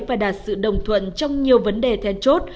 và đạt sự đồng thuận trong nhiều vấn đề then chốt